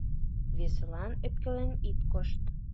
Весылан ӧпкелен ит кошт.